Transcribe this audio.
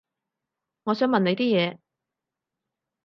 我想問你啲嘢